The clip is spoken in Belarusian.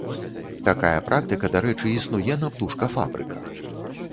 Такая практыка, дарэчы, існуе на птушкафабрыках.